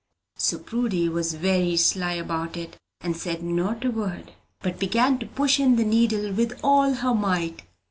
So Prudy was very sly about it, and said not a word, but began to push in the needle with all her might.